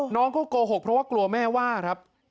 น้องก็โกหกเพราะครัวแม่ไว้ครับ